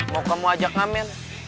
mau kamu ajak ngamen